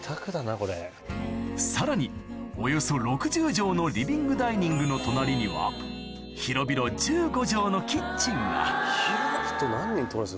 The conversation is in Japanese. さらにおよそ６０帖のリビングダイニングの隣には広々何人通れます？